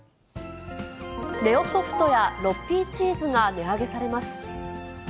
ネオソフトや６Ｐチーズが値上げされます。